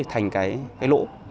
đấy cái lỗ